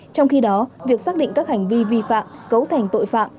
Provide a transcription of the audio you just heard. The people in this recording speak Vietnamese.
trong khi đó việc xác định các hành vi vi phạm cấu thành tội phạm